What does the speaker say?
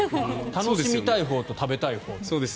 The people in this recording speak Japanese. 楽しみたいほうと食べたいほうと。